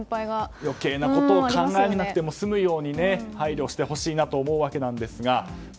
余計なことを考えなくても済むように配慮してほしいなと思うわけなんですが。